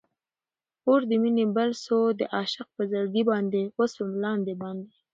اور د مینی بل سو د عاشق پر زړګي باندي، اوسوم لاندی باندي